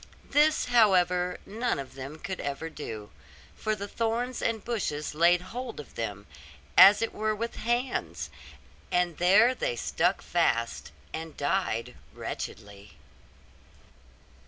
This, however, none of them could ever do; for the thorns and bushes laid hold of them, as it were with hands; and there they stuck fast, and died wretchedly.